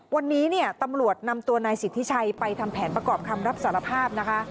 วันนี้เนี่ยตำรวจนำตัวนายสิทธิชัยไปทำแผนประกอบคำรับสารภาพนะคะ